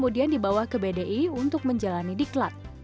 di bawah ke bdi untuk menjalani diklat